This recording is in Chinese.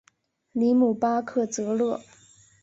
里姆巴克泽勒。